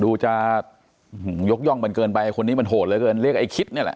ดูจะยกย่องมันเกินไปคนนี้มันโหดเหลือเกินเรียกไอ้คิดนี่แหละ